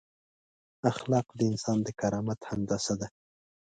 اخلاق د انسان د کرامت هندسه ده.